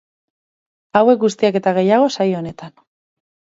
Hauek guztiak eta gehiago, saio honetan.